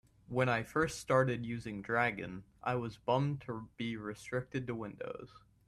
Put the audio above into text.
When I first started using Dragon, I was bummed to be restricted to Windows.